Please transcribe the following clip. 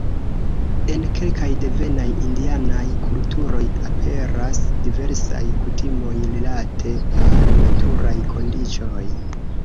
En kelkaj devenaj indianaj kulturoj aperas diversaj kutimoj rilate al naturaj kondiĉoj.